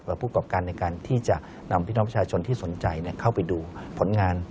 ผู้กรอบการในการที่จะนำพี่น้องประชาชนที่สนใจเข้าไปดูผลงาน